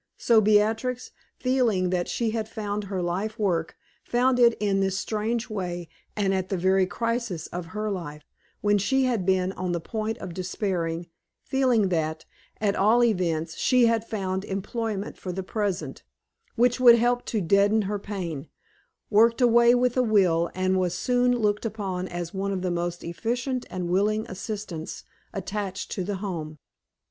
So Beatrix, feeling that she had found her life work, found it in this strange way, and at the very crisis of her life, when she had been on the point of despairing, feeling that, at all events, she had found employment for the present, which would help to deaden her pain, worked away with a will, and was soon looked upon as one of the most efficient and willing assistants attached to the Home.